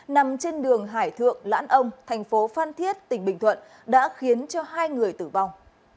nằm trên đường hải thượng lãn ông thành phố phan thiết tỉnh bình thuận đã khiến hai người tử vong